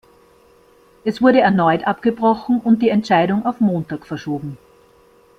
Es wurde erneut abgebrochen und die Entscheidung auf Montag verschoben.